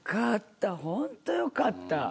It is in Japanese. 本当によかった。